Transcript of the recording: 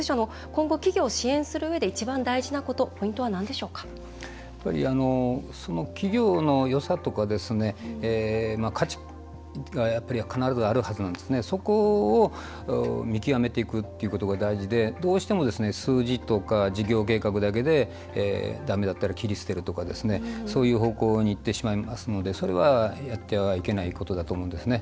今後、企業を支援するうえで一番大事なことその企業のよさとか、価値が必ずあるはずなんですね、そこを見極めていくっていうのが大事でどうしても数字とか事業計画だけでだめだったら切り捨てるとかそういう方向にいってしまうのでそれはやってはいけないことだと思います。